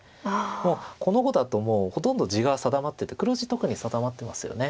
もうこの碁だとほとんど地が定まってて黒地特に定まってますよね。